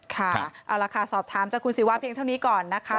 ค่ะเอาละค่ะสอบถามจากคุณศิวาเพียงเท่านี้ก่อนนะคะ